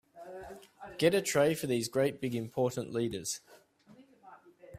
Get a tray for these great big important leaders.